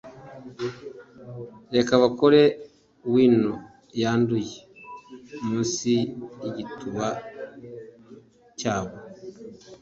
Reka bakore wino yanduye munsi yigituba cyabo